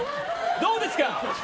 どうですか？